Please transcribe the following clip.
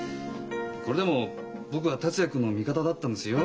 これでも僕は達也君の味方だったんですよ